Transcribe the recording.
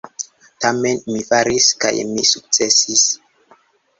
Tamen mi faris, kaj mi sukcesis.